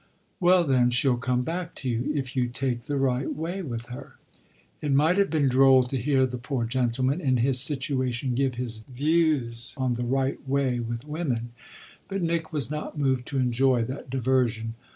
"Well then she'll come back to you if you take the right way with her." It might have been droll to hear the poor gentleman, in his situation, give his views on the right way with women; but Nick was not moved to enjoy that diversion.